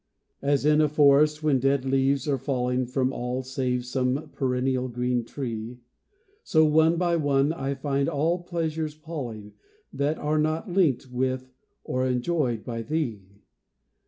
As in a forest when dead leaves are falling From all save some perennial green tree, So one by one I find all pleasures palling That are not linked with or enjoyed by thee.